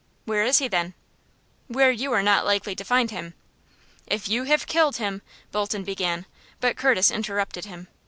"Where is he, then?" "Where you are not likely to find him." "If you have killed him " Bolton began, but Curtis interrupted him.